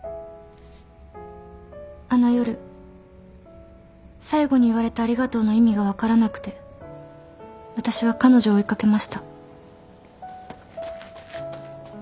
あの夜最後に言われた「ありがとう」の意味が分からなくて私は彼女を追い掛けました。